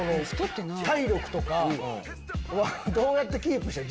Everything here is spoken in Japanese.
体力とかはどうやってキープしてんの？